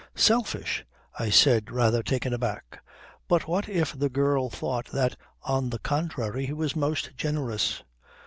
Selfish!" I said rather taken aback. "But what if the girl thought that, on the contrary, he was most generous."